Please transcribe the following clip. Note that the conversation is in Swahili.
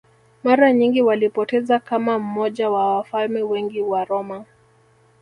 Mara nyingi walipoteza kama mmoja wa wafalme wengi wa Roma